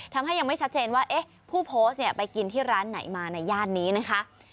ทำให้ยังไม่ชัดเจนว่าเอ๊ะผู้โพสต์เนี่ยไปกินที่ร้านไหนมาในย่านนี้นะคะ